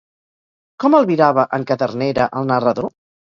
Com albirava en Cadernera al narrador?